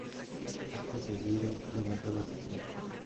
Acto seguido levantó la sesión.